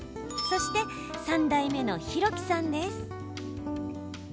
そして、３代目の弘基さんです。